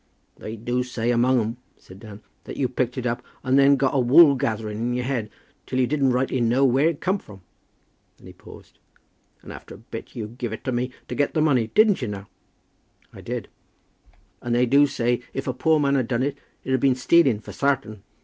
"They do say, among 'em," said Dan, "that you picked it up, and then got a woolgathering in your head till you didn't rightly know where it come from." Then he paused. "And after a bit you guv' it me to get the money. Didn't you, now?" "I did." "And they do say if a poor man had done it, it'd been stealing, for sartain."